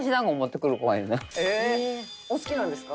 へえお好きなんですか？